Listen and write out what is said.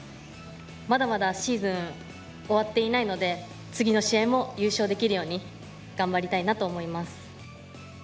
まだまだシーズン終わっていないので、次の試合も優勝できるように、頑張りたいなと思います。